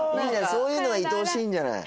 そういうのがいとおしいんじゃない。